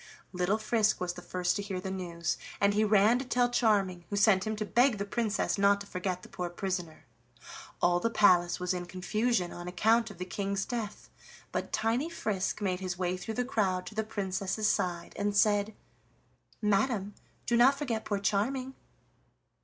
Little Frisk was the first to hear the news, and he ran to tell Charming, who sent him to beg the Princess not to forget the poor prisoner. All the palace was in confusion on account of the King's death, but tiny Frisk made his way through the crowd to the Princess's side, and said: "Madam, do not forget poor Charming."